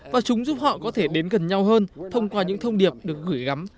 và chúng giúp họ có thể đến gần nhau hơn thông qua những thông điệp được gửi gắm